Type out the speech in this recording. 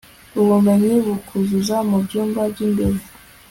ubumenyi bukuzuza mu byumba by imbere